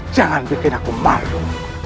jangan bikin aku malu